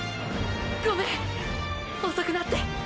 ごめん遅くなって。